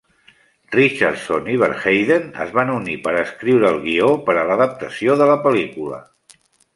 Richardson i Verheiden es van unir per escriure el guió per a l'adaptació de la pel·lícula.